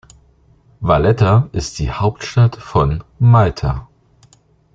Valletta ist die Hauptstadt von Malta.